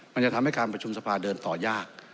มันจะทำให้การประชุมสภาเดินต่อยาก